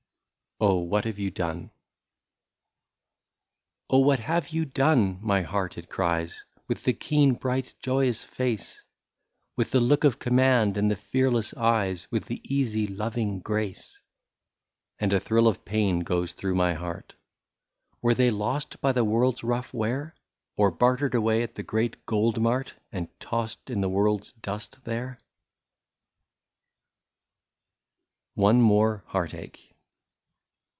119 OH ! WHAT HAVE YOU DONE ?'^ Oh ! what have you done/' my heart it cries, With the keen bright joyous face, With the look of command, and the fearless eyes. With the easy loving grace ?And a thrill of pain goes through my heart :*' Were they lost by the world's rough wear. Or bartered away at the great gold mart. And tossed in the world's dust there ?" I20 ONE MORE HEART ACHE.